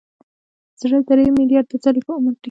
زړه درې ملیارده ځلې په عمر ټکي.